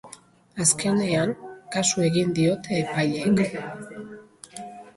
Azkenean, kasu egin diote epaileek.